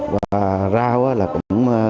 và rau là cũng